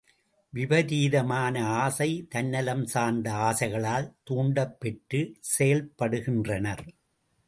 விபரீதமான ஆசை தன்னலம் சார்ந்த ஆசைகளால் தூண்டப்பெற்று செயல்படுகின்றனர்.